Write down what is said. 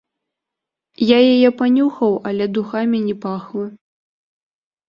Я яе панюхаў, але духамі не пахла.